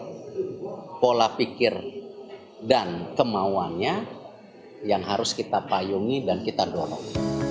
ada pola pikir dan kemauannya yang harus kita payungi dan kita dorong